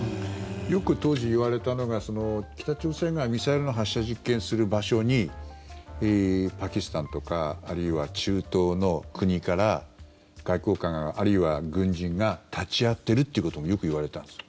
よく当時、言われたのが北朝鮮がミサイルの発射実験をする場所にパキスタンとかあるいは中東の国から外交官、あるいは軍人が立ち会ってるってこともよく言われたんです。